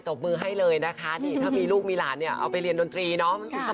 เต็บมือให้เลยนะคะนี่ต้องมีลูกมีหลานยังไม่เรียนดนตรีเนาะ